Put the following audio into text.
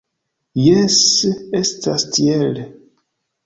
Jes, estas tiel.